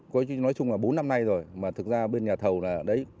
có chứ nói chung là bốn năm nay rồi mà thực ra bên nhà thầu là đấy